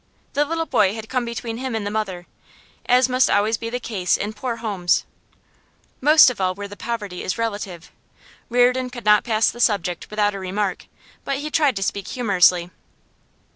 The little boy had come between him and the mother, as must always be the case in poor homes, most of all where the poverty is relative. Reardon could not pass the subject without a remark, but he tried to speak humorously.